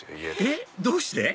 えっどうして？